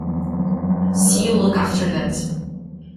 See you look after that.